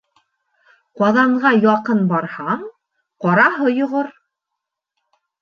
Ҡаҙанға яҡын барһаң, ҡараһы йоғор